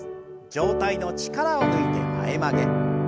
上体の力を抜いて前曲げ。